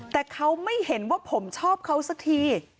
แต่เขาไม่เห็นว่าผมชอบเขาสักที